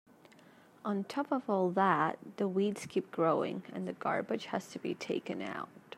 On top of all that, the weeds keep growing and the garbage has to be taken out.